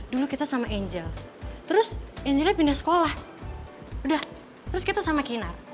dulu kita sama angel terus angeliat pindah sekolah udah terus kita sama kinar